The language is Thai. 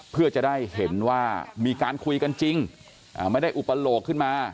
เพื่อจะได้เห็นว่ามีการคุยกันจริงไม่ได้อุปโลกขึ้นมา